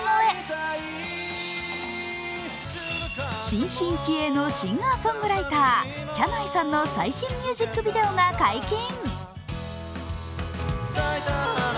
新進気鋭のシンガーソングライター、きゃないさんの最新ミュージックビデオが解禁。